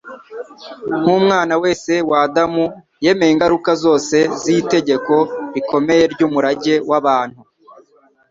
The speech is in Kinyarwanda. Nk'umwana wese w'Adamu, yemeye ingaruka zose z'itegeko rikomeye ry'umurage w'abantu.